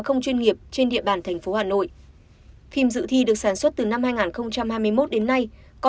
không chuyên nghiệp trên địa bàn thành phố hà nội phim dự thi được sản xuất từ năm hai nghìn hai mươi một đến nay có